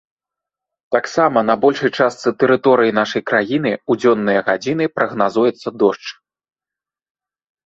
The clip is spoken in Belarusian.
Таксама на большай частцы тэрыторыі нашай краіны ў дзённыя гадзіны прагназуецца дождж.